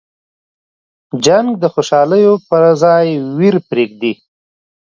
جنګ د خوشحالیو په ځای ویر پرېږدي.